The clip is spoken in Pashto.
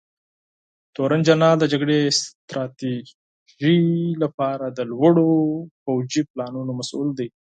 تورنجنرال د جګړې ستراتیژۍ لپاره د لوړو پوځي پلانونو مسوول دی.